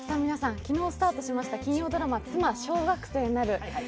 皆さん、昨日スタートしました金曜ドラマ「妻、小学生になる」